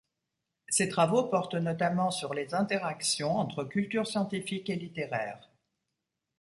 Ses travaux portent notamment sur les interactions entre culture scientifique et littéraire.